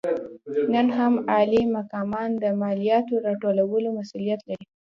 نن هم عالي مقامان د مالیاتو راټولولو مسوولیت لري.